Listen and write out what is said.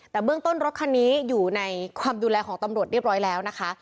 แต่เบื้องต้นรถคันนี้อยู่ในความดูแลของตำรวจเรียบร้อยแล้วนะคะ